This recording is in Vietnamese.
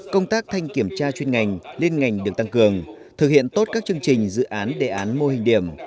công tác thanh kiểm tra chuyên ngành liên ngành được tăng cường thực hiện tốt các chương trình dự án đề án mô hình điểm